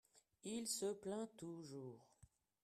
il se plaint toujours.